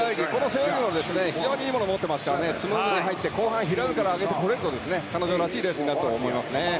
背泳ぎも非常にいいものを持っているので背泳ぎからスムーズに入って後半、平泳ぎから上げられると彼女らしいレースになりますね。